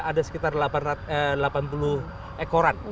ada sekitar delapan puluh ekoran